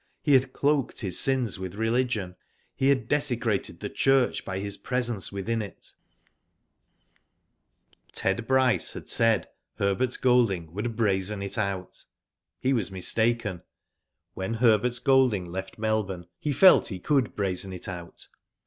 He had cloaked his sins with religion, he had desecrated the church by his presence within it. Digitized byGoogk AFTER THE VICTORY, 279 Ted Bryce had said Herbert Gjlding would "brazen it out/' He was mistaken. When Herbert Golding left Melbourne he felt he could ''brazen it out."